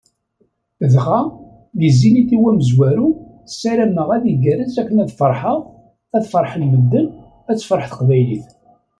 Dɣa, i Zénith-iw amezwaru, ssarameɣ ad igerrez akken ad ferḥeɣ, ad ferḥen medden, ad tefreḥ teqbaylit.